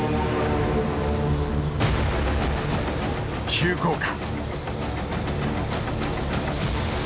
急降下。